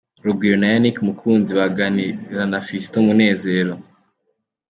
Rugwiro na Yannick Mukunzi baraganira na Fiston Munezero.